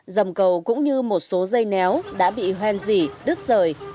dầm cầu cũng như một số dây néo đã bị hoen dỉ đứt rời